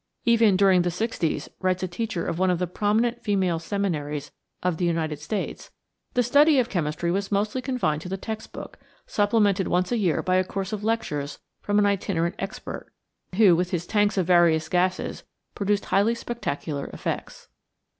Even "during the sixties," writes a teacher of one of the prominent female seminaries of the United States, "the study of chemistry was mostly confined to the textbook, supplemented once a year by a course of lectures from an itinerant expert, who with his tanks of various gases produced highly spectacular effects."